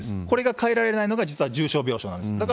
これが変えられないのが実は重症病床なんです。